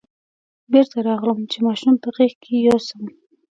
بېرته راغلم چې ماشوم په غېږ کې یوسم.